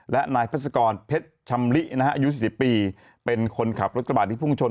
และนายพศเผ็ดชำรินะฮะอายุสี่สิบปีเป็นคนขับรถกระบาดที่พุ่งชน